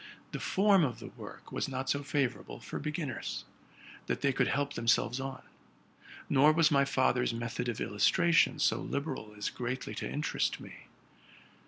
The form of the work was not so favor able for beginners, that they could help themselves on; nor was my father's method of illustration so liberal as greatly to interest me.